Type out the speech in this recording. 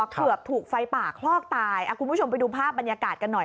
เกือบถูกไฟป่าคลอกตายคุณผู้ชมไปดูภาพบรรยากาศกันหน่อย